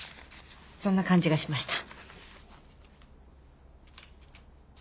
そんな感じがしました。